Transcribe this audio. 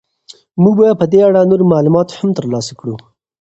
موږ به په دې اړه نور معلومات هم ترلاسه کړو.